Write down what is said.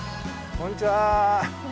こんにちは。